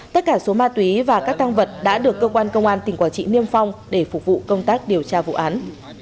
tất cả số ma túy và các tăng vật đã được cơ quan công an tỉnh quảng trị niêm phong để phục vụ công tác điều tra vụ án